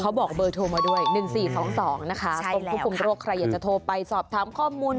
บอกเบอร์โทรมาด้วย๑๔๒๒นะคะกรมควบคุมโรคใครอยากจะโทรไปสอบถามข้อมูล